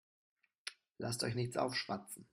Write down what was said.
Lasst euch nichts aufschwatzen.